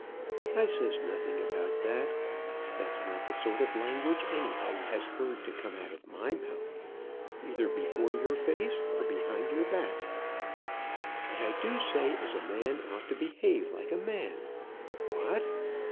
"I says nothing about that. That's not the sort of language anybody has heard to come out of my mouth, either before your face or behind your back. But I do say as a man ought to behave like a man. What!